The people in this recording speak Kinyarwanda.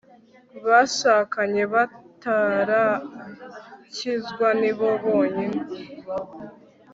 bashakanye batarakizwa ni bo bonyine